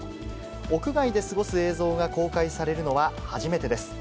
屋外で過ごす映像が公開されるのは初めてです。